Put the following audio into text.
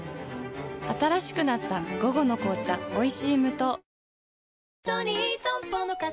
新しくなった「午後の紅茶おいしい無糖」